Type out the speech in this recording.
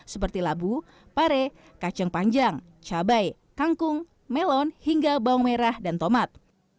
seperti labu pare kacang panjang cabai kangkung melon hingga bawang merah dan tomat